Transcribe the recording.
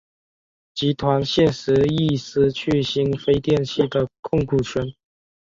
集团现时亦失去新飞电器的控股权。